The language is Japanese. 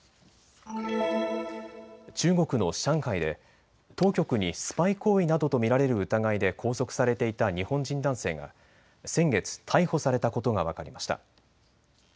中国の上海で当局にスパイ行為などと見られる疑いで拘束されていた日本人男性が先月、逮捕されたことが分かりました。